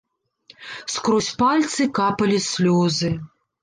Скрозь пальцы капалі слёзы.